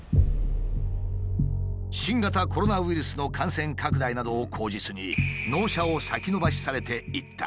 新型コロナウイルスの感染拡大などを口実に納車を先延ばしされていった。